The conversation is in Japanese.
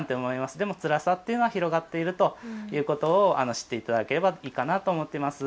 でも、つらさっていうのは広がっているということを知っていただければいいかなと思っています。